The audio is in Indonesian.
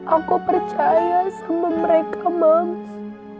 aku percaya sama mereka monts